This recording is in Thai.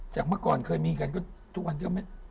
เมื่อก่อนเคยมีกันก็ทุกวันก็ไม่